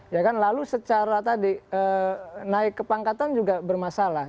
ya kan lalu secara tadi naik kepangkatan juga bermasalah